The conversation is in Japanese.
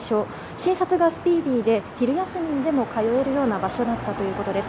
診察がスピーディーで昼休みにでも通えるような場所だったということです。